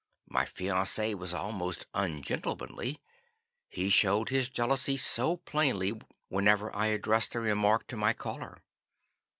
My fiance was almost ungentlemanly, he showed his jealousy so plainly whenever I addressed a remark to my caller.